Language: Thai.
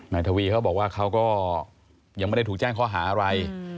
ทวีเขาบอกว่าเขาก็ยังไม่ได้ถูกแจ้งข้อหาอะไร